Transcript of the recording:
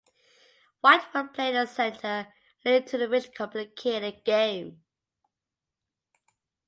White will play in the center, leading to a rich, complicated game.